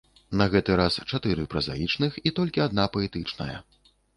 На гэты раз чатыры празаічных і толькі адна паэтычная.